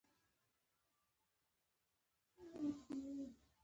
هلک له دعا نه هیله لري.